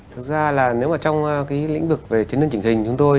thực ra nếu mà trong lĩnh vực về chiến đơn chỉnh hình chúng tôi